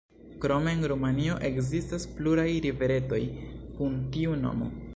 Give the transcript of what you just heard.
Krome en Rumanio ekzistas pluraj riveretoj kun tiu nomo.